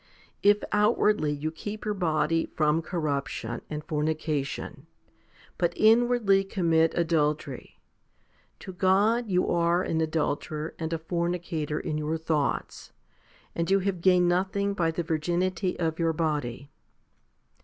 13. If outwardly you keep your body from corruption and fornication, but inwardly commit adultery, to God you are an adulterer and a fornicator in your thoughts, and you have gained nothing by the virginity of your body.